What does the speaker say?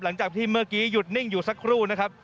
หลังจากที่เมื่อกี้หยุดนิ่งอยู่สักครู่นะครับ